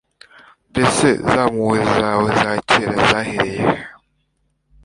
mbese za mpuhwe zawe za kera zahereye he